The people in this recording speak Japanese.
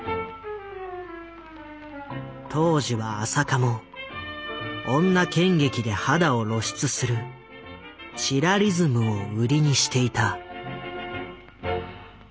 当時は浅香も女剣劇で肌を露出する「チラリズム」を売りにしていた。